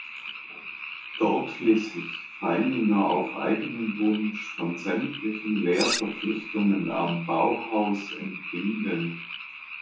Dort ließ sich Feininger auf eigenen Wunsch von sämtlichen Lehrverpflichtungen am Bauhaus entbinden.